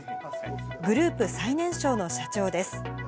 グループ最年少の社長です。